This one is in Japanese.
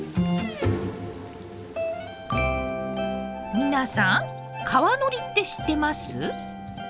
皆さん川のりって知ってます？